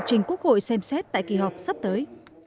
trình quốc hội xem xét tại kỳ họp sắp tới